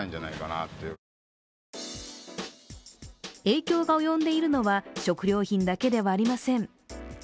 影響が及んでいるのは食料品だけではありません。